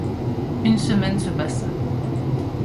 Une semaine se passa.